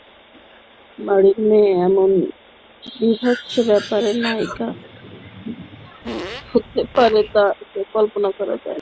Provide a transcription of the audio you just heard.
বাড়ির মেয়ে এমন বীভৎস ব্যাপারের নায়িকা হইতে পারে তা যে কল্পনা করাও যায় না।